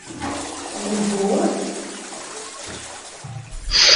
Левор?!